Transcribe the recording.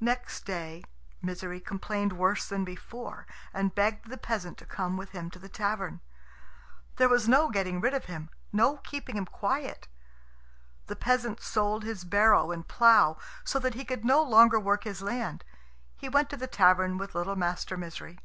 Next day Misery complained worse than before, and begged the peasant to come with him to the tavern. There was no getting rid of him, no keeping him quiet. The peasant sold his barrow and plough, so that he could no longer work his land. He went to the tavern with little Master Misery.